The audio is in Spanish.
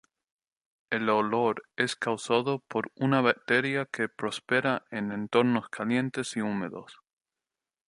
El olor es causado por una bacteria que prospera en entornos calientes y húmedos.